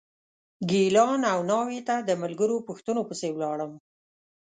ګیلان او ناوې ته د ملګرو پوښتنو پسې ولاړم.